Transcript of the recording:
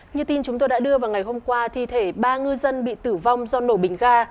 như tin chúng tôi đã đưa vào ngày hôm qua thi thể ba ngư dân bị tử vong do nổ bình ga